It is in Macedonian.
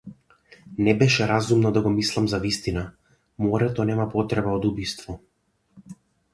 Не беше разумно да го мислам за вистина, морето нема потреба од убиство.